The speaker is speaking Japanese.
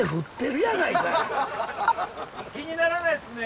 気にならないっすね。